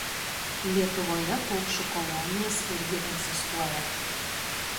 Lietuvoje paukščių kolonijos irgi egzistuoja.